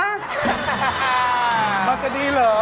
ตั้งแต่มันจะดีเหรอ